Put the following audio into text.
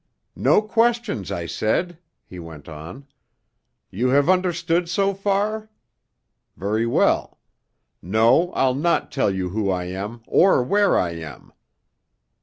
"No questions, I said," he went on. "You have understood so far? Very well! No, I'll not tell you who I am or where I am!